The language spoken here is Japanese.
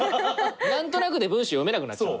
何となくで文章読めなくなっちゃう。